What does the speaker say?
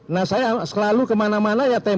nah saya selalu kemana mana ya